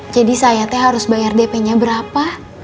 jadi saya teh harus bayar dp nya berapa